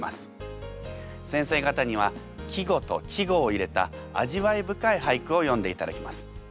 先生方には季語と稚語を入れた味わい深い俳句を詠んでいただきます。